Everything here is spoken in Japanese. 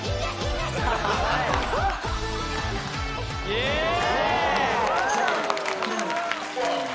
イエーイ！